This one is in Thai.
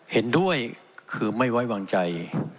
เห็นด้วยคือไม่ไว้วางใจ